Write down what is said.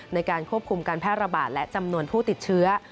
ในการควบคุมการแพร่ระบาดและจำนวนผู้ติดเชื้อ